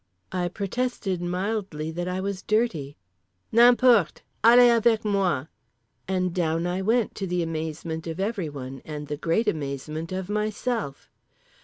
_" I protested mildly that I was dirty. "N'importe. Allez avec moi," and down I went to the amazement of everyone and the great amazement of myself.